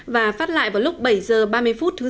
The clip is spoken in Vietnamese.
và phát lại vào lúc bảy h ba mươi phút thứ sáu